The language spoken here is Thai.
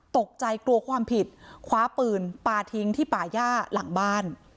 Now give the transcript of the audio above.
ตกใจกลัวความผิดคว้าปืนปลาทิ้งที่ป่าย่าหลังบ้าน